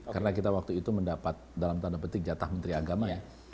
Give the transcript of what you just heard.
karena kita waktu itu mendapat dalam tanda petik jatah menteri agama ya